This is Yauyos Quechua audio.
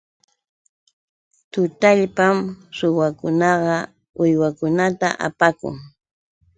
Tutallpam suwakuna uywakunata apakun.